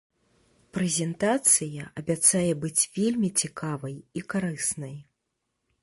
Прэзентацыя абяцае быць вельмі цікавай і карыснай.